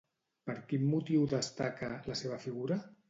Per quin motiu destaca, la seva figura?